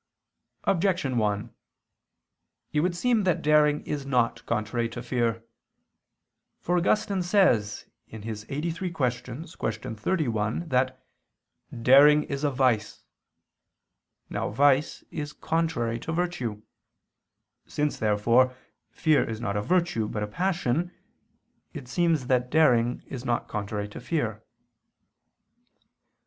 Objection 1: It would seem that daring is not contrary to fear. For Augustine says (QQ. 83, qu. 31) that "daring is a vice." Now vice is contrary to virtue. Since, therefore, fear is not a virtue but a passion, it seems that daring is not contrary to fear.